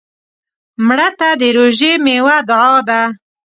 مړه ته د روژې میوه دعا ده